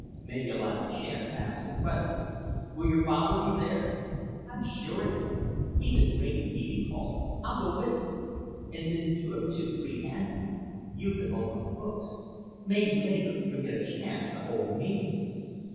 Maybe I'll have a chance to ask some questions. Will your father be there?" "I'm sure he will. He's a great meeting caller. I'll go with you. And, since you have two free hands now, you can hold my books. Maybe later you'll get a chance to hold me."